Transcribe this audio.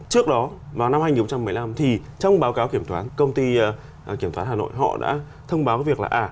trước đó vào năm hai nghìn một mươi năm thì trong báo cáo kiểm soát công ty kiểm soát hà nội họ đã thông báo cái việc là